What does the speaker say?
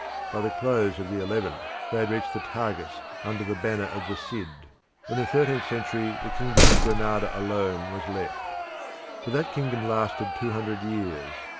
By the close of the eleventh they had reached the Tagus under the banner of the Cid. In the thirteenth century the kingdom of Granada alone was left. But that kingdom lasted two hundred years.